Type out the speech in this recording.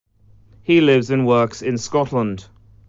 He lives and works in Scotland.